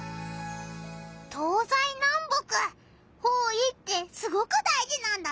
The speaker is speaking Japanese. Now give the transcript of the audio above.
東西南北方位ってすごく大じなんだな！